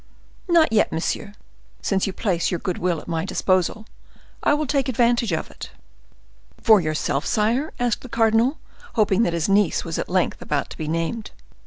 "Not yet, monsieur: since you place your good will at my disposal, I will take advantage of it." "For yourself, sire?" asked the cardinal, hoping that his niece was at length about to be named.